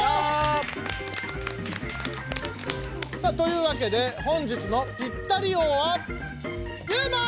さあというわけで本日のピッタリ王はユウマ！